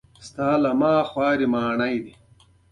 بزګر د خاورې ژبه پېژني